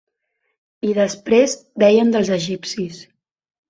I després deien dels egipcis!